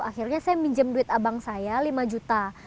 akhirnya saya minjem duit abang saya lima juta